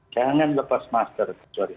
jangan lepas masker